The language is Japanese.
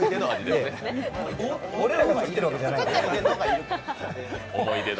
俺らが作ってるわけじゃない。